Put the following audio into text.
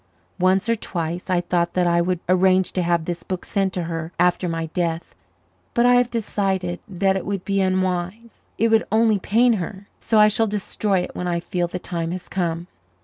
Once or twice I thought that I would arrange to have this book sent to her after my death. But I have decided that it would be unwise. It would only pain her, so I shall destroy it when I feel the time has come.